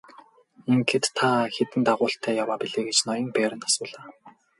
Ингэхэд та хэдэн дагуултай яваа билээ гэж ноён Берн асуулаа.